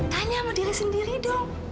tanya sama diri sendiri dong